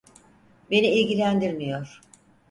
Beni ilgilendirmiyor.